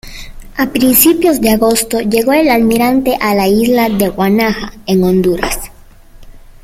A principios de agosto, llegó el almirante a la isla de Guanaja en Honduras.